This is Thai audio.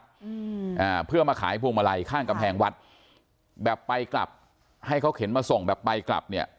อืมอ่าเพื่อมาขายพวงมาลัยข้างกำแพงวัดแบบไปกลับให้เขาเข็นมาส่งแบบไปกลับเนี่ย